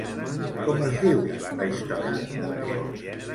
Com es diu la història?